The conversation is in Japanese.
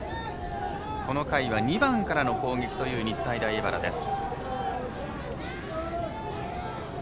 この回は２番からの攻撃という日体大荏原です。